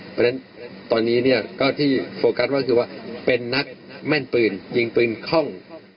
เพราะฉะนั้นตอนนี้เนี่ยก็ที่โฟกัสก็คือว่าเป็นนักแม่นปืนยิงปืนคล่อง